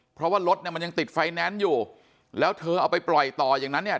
เพราะว่ารถเนี่ยมันยังติดไฟแนนซ์อยู่แล้วเธอเอาไปปล่อยต่ออย่างนั้นเนี่ย